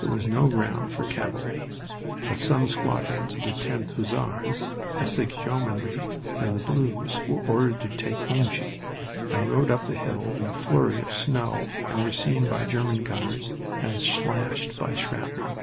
It was no ground for cavalry. But some squadrons of the 10th Hussars, Essex Yeomanry, and the Blues were ordered to take Monchy, and rode up the hill in a flurry of snow and were seen by German gunners and slashed by shrapnel.